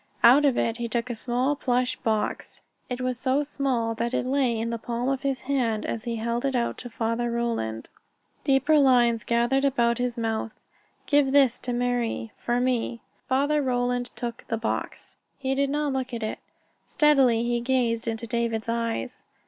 Out of it he took a small plush box. It was so small that it lay in the palm of his hand as he held it out to Father Roland. Deeper lines had gathered about his mouth. "Give this to Marie for me." Father Roland took the box. He did not look at it. Steadily he gazed into David's eyes.